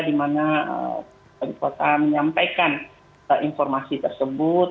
di mana penyelidikannya menyampaikan informasi tersebut